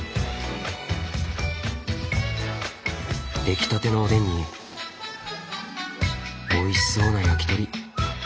出来たてのおでんにおいしそうな焼き鳥。